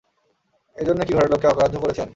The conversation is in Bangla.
এজন্যই কি ঘরের লোককে অগ্রাহ্য করেছেন?